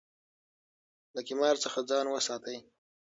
له قمار څخه ځان وساتئ.